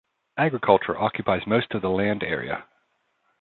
Agriculture occupies most of the land area.